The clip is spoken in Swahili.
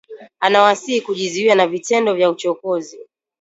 Anawasihi kujizuia na vitendo vya uchokozi